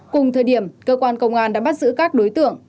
cùng thời điểm cơ quan công an đã bắt giữ các đối tượng